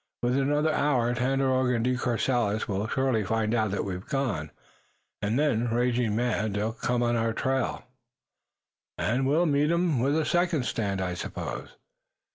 Within another hour Tandakora and De Courcelles will surely find out that we've gone, and then, raging mad, they'll come on our trail." "And we'll meet 'em with a second stand, I suppose?"